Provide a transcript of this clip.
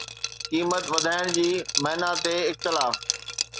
قيمت وڌائڻ جي معني تي اختلاف